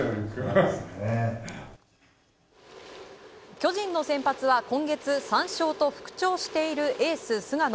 巨人の先発は今月、３勝と復調しているエース、菅野。